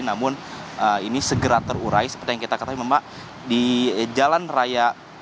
namun ini segera terurai seperti yang kita ketahui memang di jalan raya